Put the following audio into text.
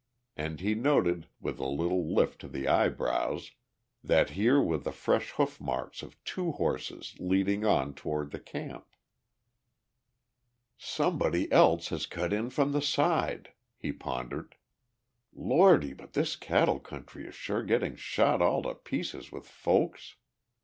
And he noted, with a little lift to the eyebrows, that here were the fresh hoof marks of two horses leading on toward the Camp. "Somebody else has cut in from the side," he pondered. "Lordy, but this cattle country is sure getting shot all to pieces with folks.